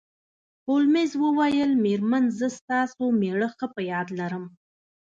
هولمز وویل میرمن زه ستاسو میړه ښه په یاد لرم